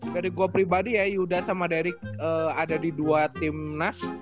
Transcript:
dari gue pribadi ya yuda sama dari ada di dua timnas